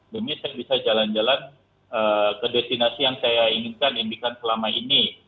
demi saya bisa jalan jalan ke destinasi yang saya inginkan indikan selama ini